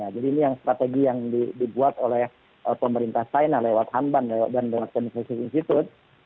jadi ini yang strategi yang dibuat oleh pemerintah china lewat hanban dan conscious institute